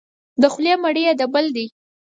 د خولې مړی یې د بل دی.